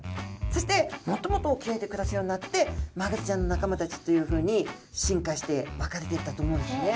そしてもっともっと沖合で暮らすようになってマグロちゃんの仲間たちっていうふうに進化して分かれていったと思うんですね。